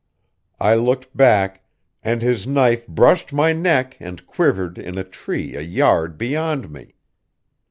I looked back, and his knife brushed my neck and quivered in a tree a yard beyond me.